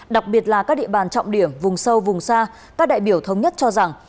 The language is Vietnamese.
đặc biệt là các địa bàn trọng điểm vùng sâu vùng xa các đại biểu thống nhất cho rằng